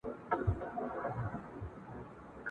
نن پخپله د ښکاري غشي ویشتلی ..